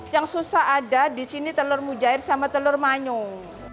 yang susah ada di sini telur mujair sama telur manyung